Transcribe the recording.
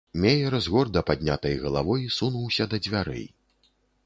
Меер з горда паднятай галавой сунуўся да дзвярэй.